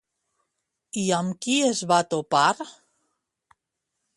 I amb qui es va topar?